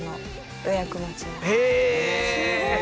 すごい！